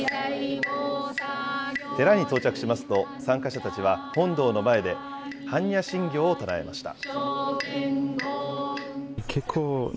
寺に到着しますと、参加者たちは本堂の前で、般若心経を唱えました。